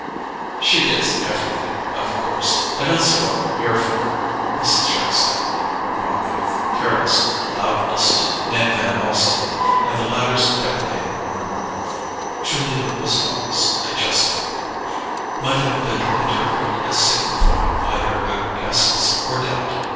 "She gets everything, of course—I don't see what we're here for," Mrs. Jack Stepney remarked with careless loudness to Ned Van Alstyne; and the latter's deprecating murmur—"Julia was always a just woman"—might have been interpreted as signifying either acquiescence or doubt.